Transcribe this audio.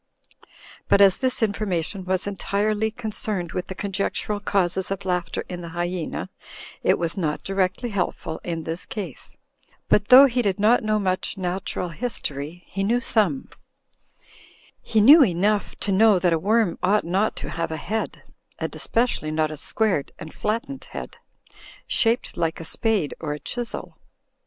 But as this information was entirely concerned with the conjectural causes of laughter in the Hyena, it was not directly helpful in this case. But though he did not know much Natural ^L Digitized by Google 196 THE FLYING INN History, he knew some. He knew enough to know that a worm ought not to have a head, and especially not a squared and flattened head, shaped like a spade or a chisel.